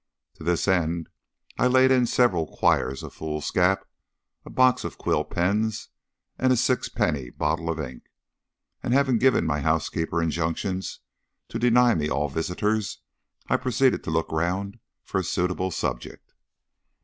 To this end I laid in several quires of foolscap, a box of quill pens, and a sixpenny bottle of ink, and having given my housekeeper injunctions to deny me to all visitors, I proceeded to look round for a suitable subject.